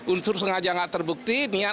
unsur sengaja tidak terbukti niat